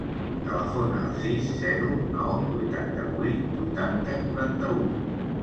Telefona al sis, zero, nou, vuitanta-vuit, vuitanta, quaranta-u.